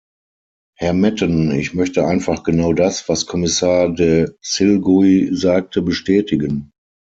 Herr Metten, ich möchte einfach genau das, was Kommissar de Silguy sagte, bestätigen.